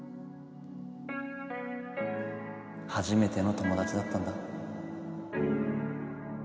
はじめての友だちだったんだ。